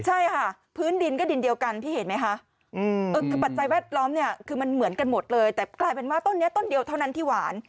ใช่ค่ะพื้นดินก็ดินเดียวกันพี่เห็นไหมคะคือปัจจัยแวดล้อมเนี่ยคือมันเหมือนกันหมดเลยแต่กลายเป็นว่าต้นนี้ต้นเดียวเท่านั้นที่หวาน